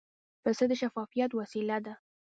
پسه د شفاعت وسیله ده.